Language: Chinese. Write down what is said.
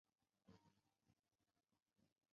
祖父董孚言。